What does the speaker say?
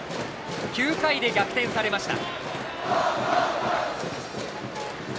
９回で逆転されました。